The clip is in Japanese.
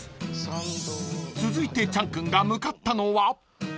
［続いてチャン君が向かったのは］